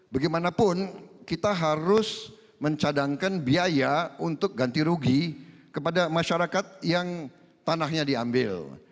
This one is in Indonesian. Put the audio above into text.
bagaimanapun kita harus mencadangkan biaya untuk ganti rugi kepada masyarakat yang tanahnya diambil